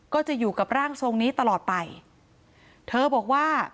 ก็จะอยู่กับร่างทรงนี้ตลอดไปเธอบอกว่า